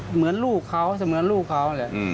เหมือนลูกเขาเหมือนลูกเขา